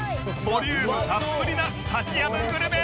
ボリュームたっぷりなスタジアムグルメ！